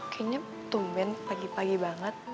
kayaknya tumben pagi pagi banget